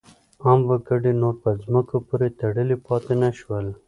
عام وګړي نور په ځمکو پورې تړلي پاتې نه شول.